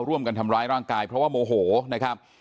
ร่วมกันทำร้ายร่างกายเพราะว่าโมโหนะครับ